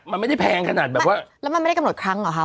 มันไม่ได้แพงขนาดแบบว่าแล้วมันไม่ได้กำหนดครั้งเหรอคะ